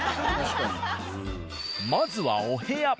まずはお部屋。